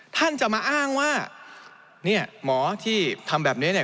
ท่านจะมาอ้างว่าเนี่ยหมอที่ทำแบบนี้เนี่ย